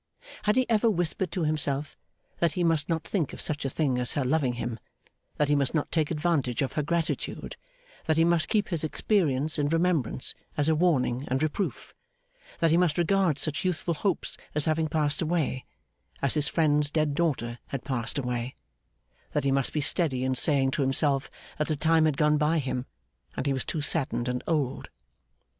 Had he ever whispered to himself that he must not think of such a thing as her loving him, that he must not take advantage of her gratitude, that he must keep his experience in remembrance as a warning and reproof; that he must regard such youthful hopes as having passed away, as his friend's dead daughter had passed away; that he must be steady in saying to himself that the time had gone by him, and he was too saddened and old?